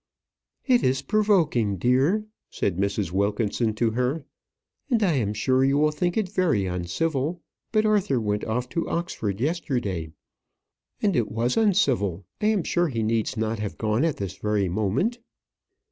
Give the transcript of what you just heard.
"It is provoking, dear," said Mrs. Wilkinson to her, "and I am sure you will think it very uncivil, but Arthur went off to Oxford yesterday. And it was uncivil. I am sure he needs not have gone at this very moment."